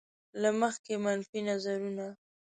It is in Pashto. له مخکې منفي نظرونه.